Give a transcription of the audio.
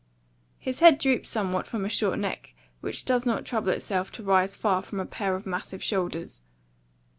His head droops somewhat from a short neck, which does not trouble itself to rise far from a pair of massive shoulders."